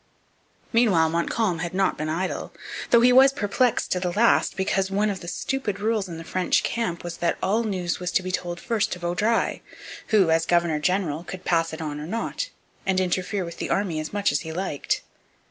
Meanwhile Montcalm had not been idle; though he was perplexed to the last, because one of the stupid rules in the French camp was that all news was to be told first to Vaudreuil, who, as governor general, could pass it on or not, and interfere with the army as much as he liked.